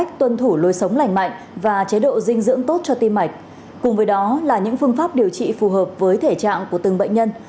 cùng với đó là những phương pháp điều trị phù hợp với thể trạng của từng bệnh nhân